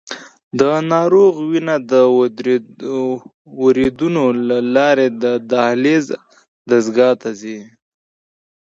د ناروغ وینه د وریدونو له لارې د دیالیز دستګاه ته ځي.